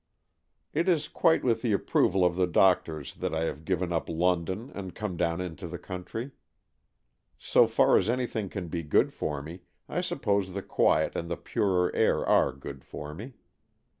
It is quite with the approval of the doctors that I have given up London and come down into the country. So far as anything can be good for me, I suppose the quiet and the purer air are good for me.